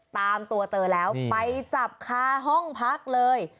ตามตัวเจอแล้วไปจับคาห้องพักเลย